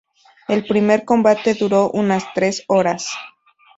El primer combate duró unas tres horas.